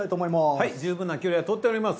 はい十分な距離は取っております。